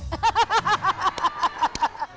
ฮ่า